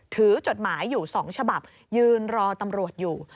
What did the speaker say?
จดหมายอยู่๒ฉบับยืนรอตำรวจอยู่